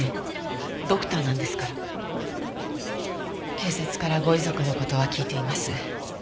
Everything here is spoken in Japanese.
警察からご遺族の事は聞いています。